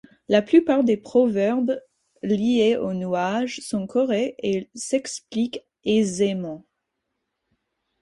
La plupart des proverbes liés aux nuages sont corrects et s'expliquent aisément.